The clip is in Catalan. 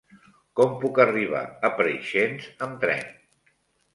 Com puc arribar a Preixens amb tren?